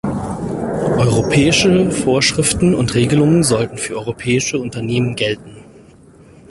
Europäische Vorschriften und Regelungen sollten für europäische Unternehmen gelten.